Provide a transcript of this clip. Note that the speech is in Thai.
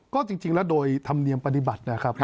ก็จริงแล้วโดยธรรมเนียมปฏิบัตินะครับ